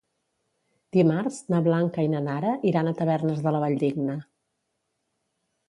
Dimarts na Blanca i na Nara iran a Tavernes de la Valldigna.